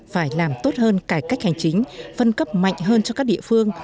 phải làm tốt hơn cải cách hành chính phân cấp mạnh hơn cho các địa phương